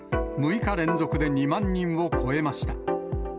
６日連続で２万人を超えました。